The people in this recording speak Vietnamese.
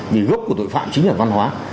vì gốc của tội phạm chính là văn hóa